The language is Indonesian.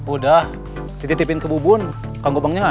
udah dititipin ke bubun kangkupangnya ada